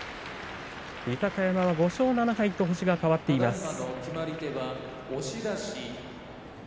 豊山は５勝７敗と星が変わっています。